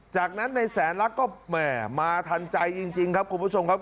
จากนั้นในแสนลักษณ์ก็แหมมาทันใจจริงครับคุณผู้ชมครับ